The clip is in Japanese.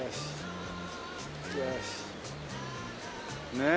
ねえ。